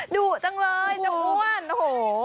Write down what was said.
ดุจังเลยจะม่วนโอ้โห